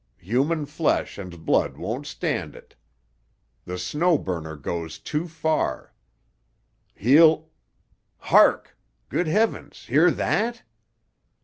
Human flesh and blood won't stand it. The Snow Burner goes too far. He'll——Hark! Good Heavens! Hear that!"